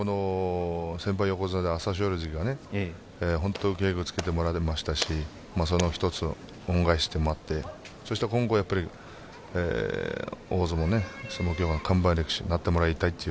先輩横綱の朝青龍関が本当に稽古をつけてもらいましたしその一つ、恩返しでもあって今後、大相撲の看板力士になってもらいたいという。